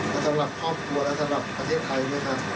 และสำหรับครอบครัวและสำหรับประเทศไทยนะครับ